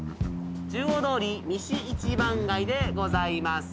中央通り西一番街でございます